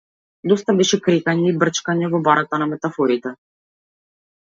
Доста беше крекање и брчкање во барата на метафорите.